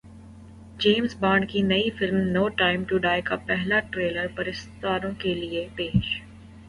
James Bond کی نئی film no time to die کا پہلا ٹریلر پرستاروں کے لیے پیش